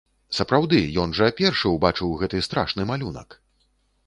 Сапраўды, ён жа першы ўбачыў гэты страшны малюнак!